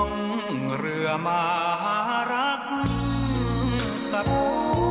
เรือมหารักษ์สักครู่